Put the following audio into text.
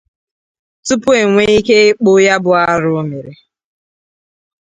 tupu e nwee ike ịkpụ ya bụ arụ o mere.